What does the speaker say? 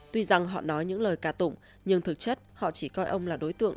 tuy rằng họ nói những lời ca tụng nhưng thực chất họ chỉ coi ông là đối tượng